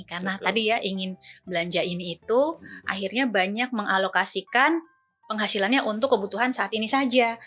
karena tadi ya ingin belanja ini itu akhirnya banyak mengalokasikan penghasilannya untuk kebutuhan saat ini saja